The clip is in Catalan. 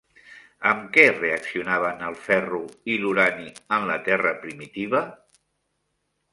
Amb què reaccionaven el ferro i l'urani en la Terra primitiva?